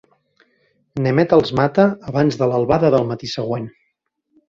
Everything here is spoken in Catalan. Nemed els mata abans de l'albada del matí següent.